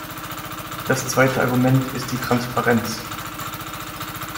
Das zweite Argument ist die Transparenz.